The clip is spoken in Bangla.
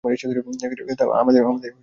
আমাদের কিচ্ছু হবে না।